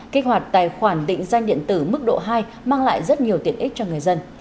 kích hoạt tài khoản định danh điện tử mức độ hai mang lại rất nhiều tiện ích cho người dân